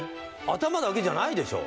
頭だけじゃないでしょ？